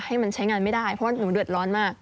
ให้มันใช้งานไม่ได้เพราะว่าหนูเดือดร้อนมาก